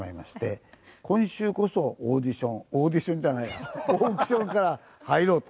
今週こそオーディションオーディションじゃないやオークションから入ろうと。